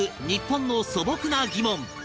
日本の素朴な疑問